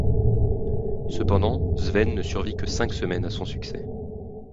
Cependant, Sven ne survit que cinq semaines à son succès.